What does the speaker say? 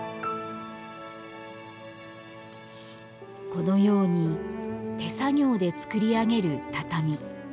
このように手作業で作り上げる畳。